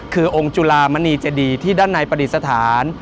คือองค์จุลามณีเจดีที่ด้านในปฏิสถาน